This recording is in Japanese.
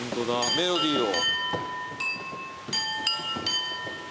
メロディーを。